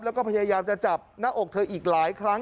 แล้วก็พยายามจะจับหน้าอกเธออีกหลายครั้ง